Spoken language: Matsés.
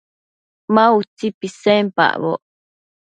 Ma utsi pisenpacboc